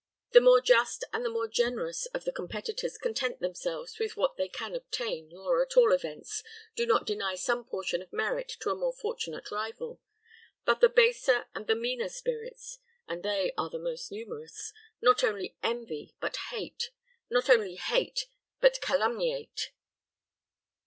The more just and the more generous of the competitors content themselves with what they can obtain, or, at all events, do not deny some portion of merit to a more fortunate rival; but the baser and the meaner spirits and they are the most numerous not only envy, but hate; not only hate, but calumniate."